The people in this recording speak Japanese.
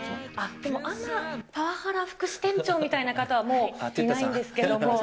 でも、あんなパワハラ副支店長みたいな人はもういないんですけども。